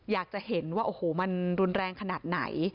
อยากจะเห็นว่าโอ้โหมันรุนแรงขนาดไหน